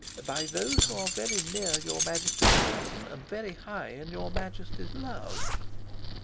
"By those who are very near your Majesty's person and very high in your Majesty's love."